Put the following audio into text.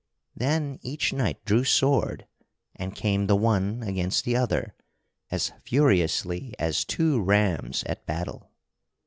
Then each knight drew sword and came the one against the other, as furiously as two rams at battle.